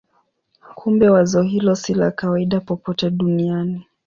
Kumbe wazo hilo si la kawaida popote duniani.